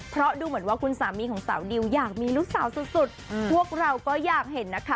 เพราะดูเหมือนว่าคุณสามีของสาวดิวอยากมีลูกสาวสุดสุดพวกเราก็อยากเห็นนะคะ